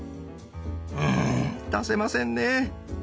うん出せませんね。